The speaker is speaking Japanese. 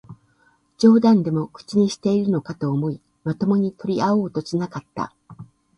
冗談でも口にしているのかと思い、まともに取り合おうとはしなかった